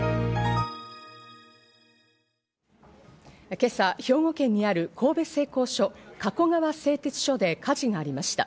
今朝、兵庫県にある神戸製鋼所・加古川製鉄所で火事がありました。